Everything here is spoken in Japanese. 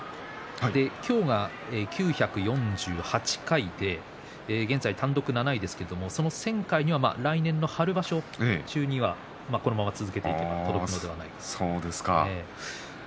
今日が９４８回で現在、単独７位ですけれども１０００回には来年の春場所中にはこのまま続けていけば届くのではないかというところです。